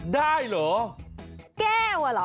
ได้เหรอ